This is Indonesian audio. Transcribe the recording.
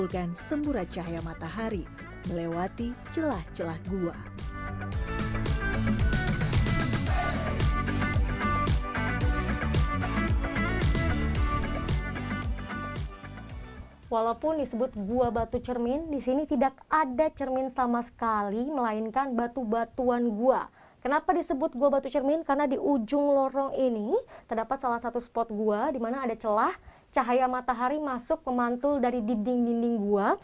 karena di ujung lorong ini terdapat salah satu spot gua di mana ada celah cahaya matahari masuk memantul dari dinding dinding gua